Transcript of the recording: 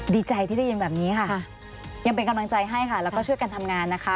ดีใจที่ได้ยินแบบนี้ค่ะยังเป็นกำลังใจให้ค่ะแล้วก็ช่วยกันทำงานนะคะ